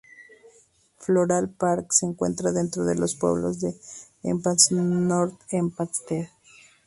Floral Park se encuentra dentro de los pueblos de Hempstead y North Hempstead.